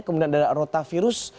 kemudian ada rotavirus